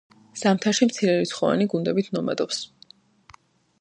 ზამთარში მცირერიცხოვანი გუნდებით ნომადობს.